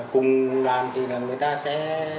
cùng đoàn thì là người ta sẽ